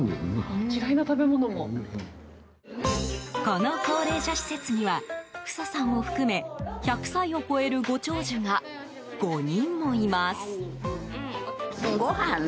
この高齢者施設にはフサさんを含め１００歳を超えるご長寿が５人もいます。